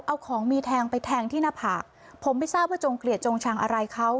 เอาของมีแทงไปแทงที่หน้าผากผมไม่ทราบว่าจงเกลียดจงชังอะไรเขา